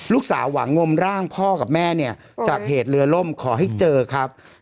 ลูกสาวหวังงมร่างพ่อกับแม่จากเหตุเรือล่มขอให้เจอครับ